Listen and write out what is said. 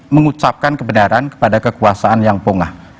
menyesapkan kebenaran kepada kekuasaan yang bongah